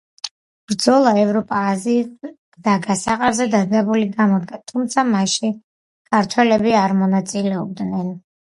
ბრძოლა ევროპა-აზიის გზასაყარზე დაძაბული გამოდგა, თუმცა მასში, ქართველები არ მონაწილეობდნენ.